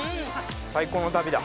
最高の旅だ。